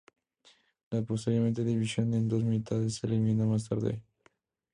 La posterior división en dos mitades se eliminó más tarde.